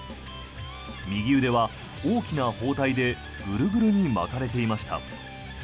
右腕は大きな包帯でグルグルに巻かれていました。